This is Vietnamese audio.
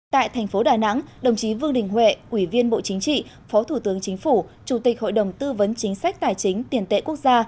tại thành phố đà nẵng đồng chí vương đình huệ ủy viên bộ chính trị phó thủ tướng chính phủ chủ tịch hội đồng tư vấn chính sách tài chính tiền tệ quốc gia